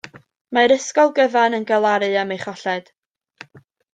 Mae'r ysgol gyfan yn galaru am ei cholled.